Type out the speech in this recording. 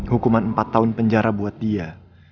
hukuman empat tahun penjara buat dia